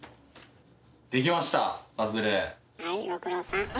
はいご苦労さん。